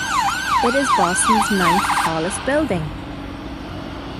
It is Boston's ninth-tallest building.